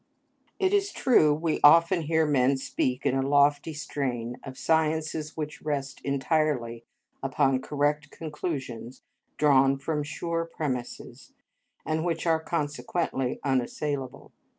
It is true we often hear men speak in a lofty strain of sciences which rest entirely upon correct conclusions drawn from sure premises, and which are consequently unassailable.